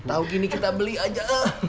tahu gini kita beli aja